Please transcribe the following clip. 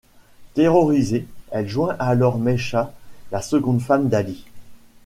Terrorisée, elle joint alors Maisha, la seconde femme d'Ali.